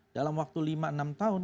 dalam waktu lima enam tahun